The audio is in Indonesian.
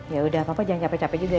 yaudah papa jangan capek capek juga ya